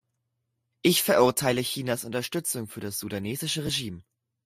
Ich verurteile Chinas Unterstützung für das sudanesische Regime.